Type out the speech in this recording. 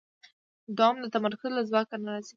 دوام د تمرکز له ځواک نه راځي.